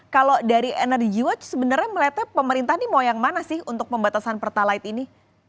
kalau dari energy watch sebenarnya melihatnya pemerintah ini mau yang mana sih untuk pembatasan pertalite ini